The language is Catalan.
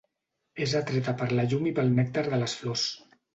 És atreta per la llum i pel nèctar de les flors.